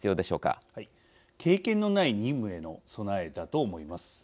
経験のない任務への備えだと思います。